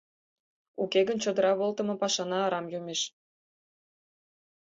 Уке гын чодыра волтымо пашана арам йомеш.